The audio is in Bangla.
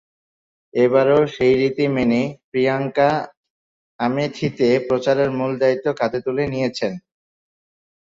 এবারও সেই রীতি মেনে প্রিয়াঙ্কা আমেথিতে প্রচারের মূল দায়িত্ব কাঁধে তুলে নিয়েছেন।